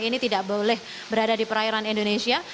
ini tidak boleh berada di perairan indonesia